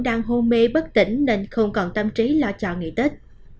đang hôn mê bất tỉnh nên không còn tâm trí lo chọn ngày tết